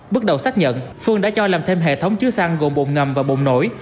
bước đầu xác nhận phương đã cho làm thêm hệ thống chứa xăng gồm bộn ngầm và bộn nổi